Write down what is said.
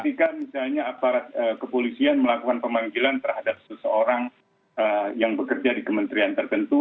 ketika misalnya aparat kepolisian melakukan pemanggilan terhadap seseorang yang bekerja di kementerian tertentu